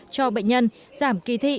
cho bệnh nhân giảm kỳ thị